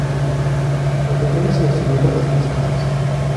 Los detalles sobre su vida son escasos.